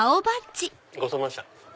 ごちそうさまでした。